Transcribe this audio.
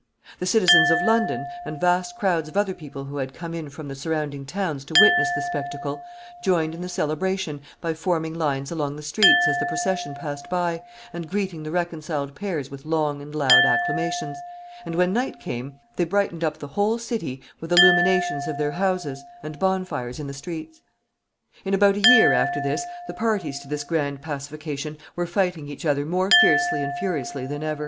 ] The citizens of London, and vast crowds of other people who had come in from the surrounding towns to witness the spectacle, joined in the celebration by forming lines along the streets as the procession passed by, and greeting the reconciled pairs with long and loud acclamations; and when night came, they brightened up the whole city with illuminations of their houses and bonfires in the streets. [Sidenote: Fighting again.] In about a year after this the parties to this grand pacification were fighting each other more fiercely and furiously than ever.